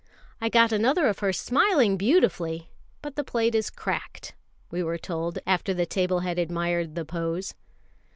"I got another of her smiling beautifully, but the plate is cracked," we were told, after the table had admired the pose.